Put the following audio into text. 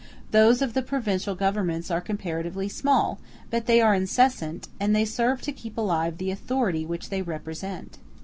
Those of the provincial governments are comparatively small, but they are incessant, and they serve to keep alive the authority which they represent.